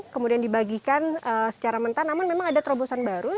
kemudian dibagikan secara mentah namun memang ada terobosan baru